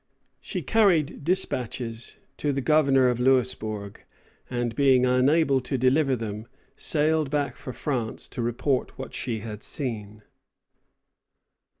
She carried despatches to the Governor of Louisbourg, and being unable to deliver them, sailed back for France to report what she had seen.